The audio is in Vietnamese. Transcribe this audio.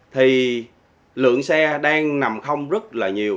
thì lượng xe đang nằm không rất là nhiều